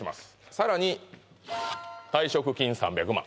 さらに退職金３００万